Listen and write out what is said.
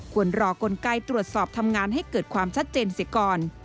ควรรอกลไกตรวจสอบทำงานให้เกิดความชัดเจนเสียก่อน